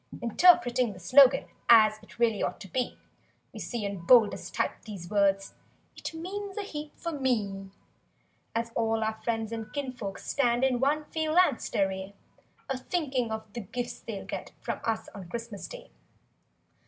N Interpreting the slogan as It really ought to be. We see in boldest type, these words— "It means a heap for me;" As all our friends and kinfolks stand In one phalanxed array, A thinking of the gifts they'll get From us on Christmas Day.